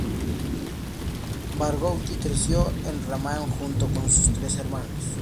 Barghouti creció en Ramallah, junto con sus tres hermanos.